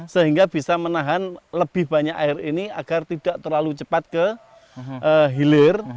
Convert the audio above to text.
sehingga bisa menahan lebih banyak air ini agar tidak terlalu cepat ke hilir